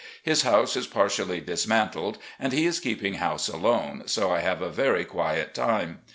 His house is partially dismantled and he is keeping house alone, so I have a very quiet time.